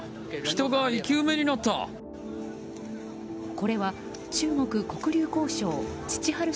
これは中国黒竜江省チチハル